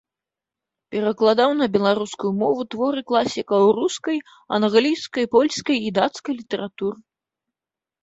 Перакладаў на беларускую мову творы класікаў рускай, англійскай, польскай і дацкай літаратур.